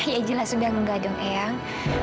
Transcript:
ya jelas sudah nggak dong eang